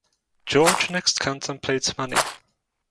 George next contemplates money.